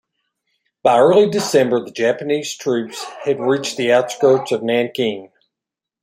By early December, the Japanese troops had reached the outskirts of Nanking.